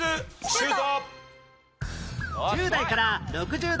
シュート！